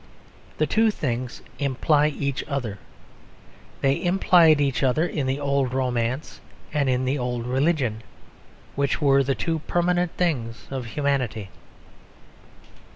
The two things imply each other; they implied each other in the old romance and in the old religion, which were the two permanent things of humanity.